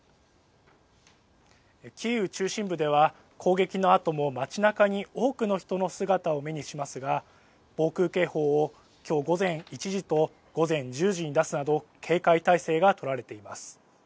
キーウ中心部では攻撃のあとも、街なかに多くの人の姿を目にしますが防空警報を、きょう午前１時と午前１０時に出すなど警戒態勢が取られています。